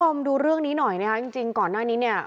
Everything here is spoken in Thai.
คุณผู้ชมดูเรื่องนี้หน่อยนะคะจริงก่อนหน้านี้เนี่ย